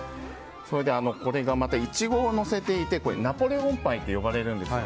それでこれがまたイチゴをのせていてナポレオンパイと呼ばれるんですよ。